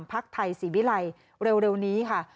ภาคไทยสีวิรัยเร็วนี้ค่ะ